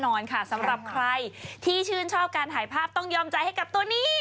นอนค่ะสำหรับใครที่ชื่นชอบการถ่ายภาพต้องยอมใจให้กับตัวนี้